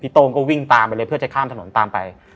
โต้งก็วิ่งตามไปเลยเพื่อจะข้ามถนนตามไป